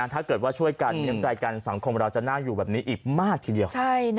ถ้าเกิดว่าช่วยกันมีน้ำใจกันสังคมเราจะน่าอยู่แบบนี้อีกมากทีเดียว